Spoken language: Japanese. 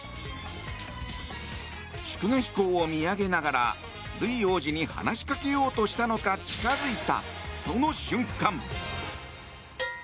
祝賀飛行を見上げながらルイ王子に話しかけようとしたのか近づいた、その瞬間。